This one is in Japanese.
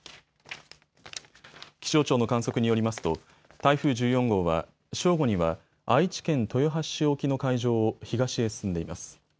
気象庁の観測によりますと台風１４号は正午には愛知県豊橋市沖の海上を東へ進んでいます。